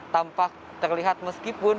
tampak terlihat meskipun